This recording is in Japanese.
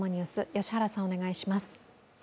良原さん、お願いします。